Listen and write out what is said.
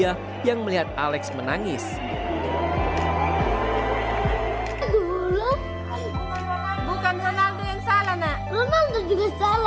tak disangka gemuruh kata polska polska polska justru datang dari para supporter kolombia